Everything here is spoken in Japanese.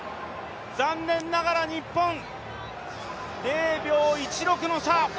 残念ながら日本、０秒１６の差。